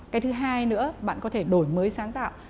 cái thứ hai nữa bạn có thể đổi mới sáng tạo